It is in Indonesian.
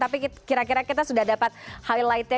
tapi kita kira kira sudah dapat highlight nya